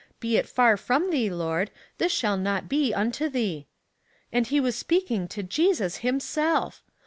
Be it far from thee. Lord; this shall not be unto thee.' And he was speak in;:j to Jesus himself!